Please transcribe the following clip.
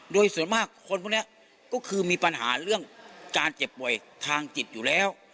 โดยส่วนมากคนพวกนี้ก็คือมีปัญหาเรื่องการเจ็บป่วยทางจิตอยู่แล้ว